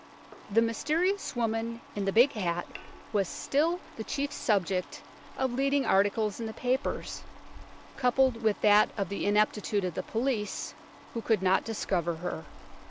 The mysterious woman in the big hat was still the chief subject of leading articles in the papers, coupled with that of the ineptitude of the police who could not discover her.